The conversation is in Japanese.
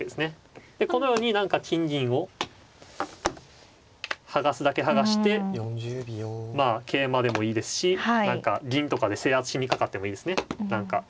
このように何か金銀を剥がすだけ剥がしてまあ桂馬でもいいですし何か銀とかで制圧しにかかってもいいですね何か。